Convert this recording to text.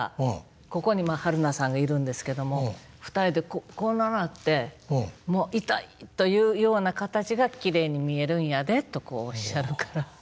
ここにまあ榛名さんがいるんですけども２人でこんななって「『もう痛い』というような形がきれいに見えるんやで」とこうおっしゃるから。